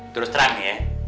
terus terang ya